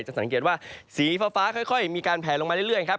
สังเกตว่าสีฟ้าค่อยมีการแผลลงมาเรื่อยครับ